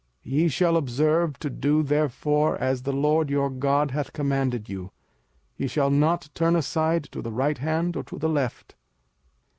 05:005:032 Ye shall observe to do therefore as the LORD your God hath commanded you: ye shall not turn aside to the right hand or to the left.